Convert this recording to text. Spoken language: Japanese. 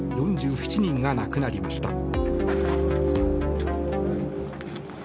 ４７人が亡くなりました。